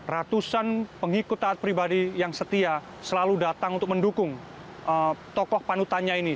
ratusan pengikut taat pribadi yang setia selalu datang untuk mendukung tokoh panutannya ini